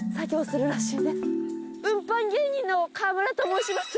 運搬芸人の川村と申します。